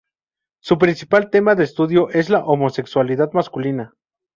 Su principal tema de estudio es la homosexualidad masculina.